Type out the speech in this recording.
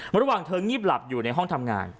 ระหว่างเธองีบหลับอยู่ในห้องทำงาน